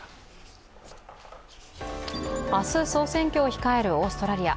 明日総選挙を控えるオーストラリア。